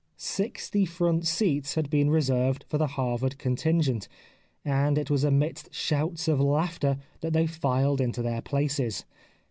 Sixty front seats had been reserved for the Harvard contingent, and it was amidst shouts of laughter that they filed into their places.